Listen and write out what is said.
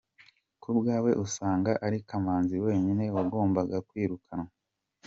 Ku bwawe usanga ari Kamanzi wenyine wagombaga kwirukanwa?